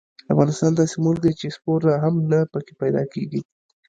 افغانستان داسې ملک دې چې سپوره هم نه پکې پیدا کېږي.